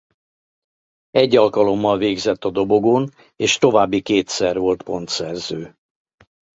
Egy alkalommal végzett a dobogón és további kétszer volt pontszerző.